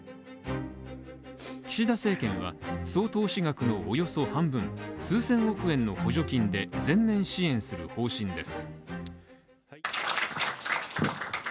岸田政権は、総投資額のおよそ半分、数千億円の補助金で、全面支援する方針です。